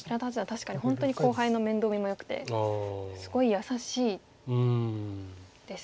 確かに本当に後輩の面倒見もよくてすごい優しいですね。